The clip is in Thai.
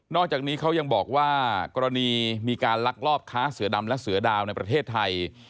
อกจากนี้เขายังบอกว่ากรณีมีการลักลอบค้าเสือดำและเสือดาวในประเทศไทย